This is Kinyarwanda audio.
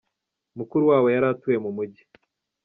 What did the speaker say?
Mukuru wabo yari atuye mu mujyi.